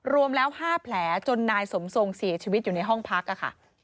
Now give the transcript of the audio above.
รวมแล้ว๕แผลจนนายสมทรงเสียชีวิตอยู่ในห้องพักค่ะ